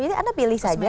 jadi anda pilih saja